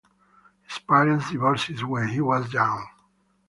His parents divorced when he was young.